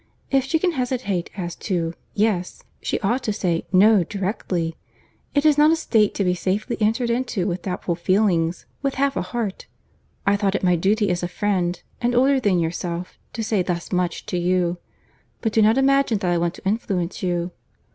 If she can hesitate as to 'Yes,' she ought to say 'No' directly. It is not a state to be safely entered into with doubtful feelings, with half a heart. I thought it my duty as a friend, and older than yourself, to say thus much to you. But do not imagine that I want to influence you."